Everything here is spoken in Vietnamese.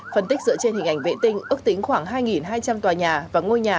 phân tích dựa trên hình ảnh vệ tinh ước tính khoảng hai hai trăm linh tòa nhà và ngôi nhà